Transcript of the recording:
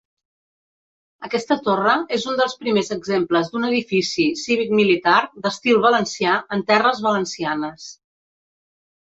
Aquesta torre és un dels primers exemples d'un edifici cívic-militar d'estil valencià en terres valencianes.